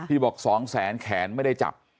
บอก๒แสนแขนไม่ได้จับ